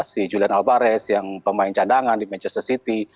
si julian alvarez yang pemain candangan di manchester city